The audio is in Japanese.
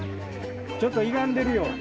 ちょっとゆがんでるよ。